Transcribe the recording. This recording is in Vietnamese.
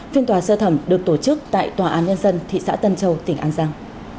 phiên tòa sơ thẩm được tổ chức tại tòa án nhân dân thị xã tân châu tỉnh an giang